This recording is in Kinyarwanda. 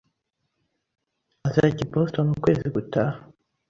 azajya i Boston ukwezi gutaha.